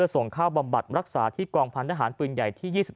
ส่งเข้าบำบัดรักษาที่กองพันธหารปืนใหญ่ที่๒๑